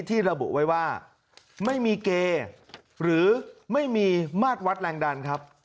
ระบุไว้ว่าไม่มีเกหรือไม่มีมาตรวัดแรงดันครับ